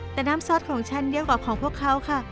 แต่น้ำซอสของฉันเยอะกว่าของพวกเขาค่ะ